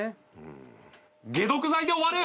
解毒剤で終われよ！